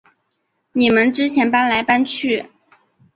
你们之前搬来搬去